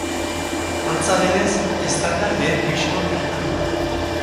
Antza denez, eztanda lehen pisuan gertatu da.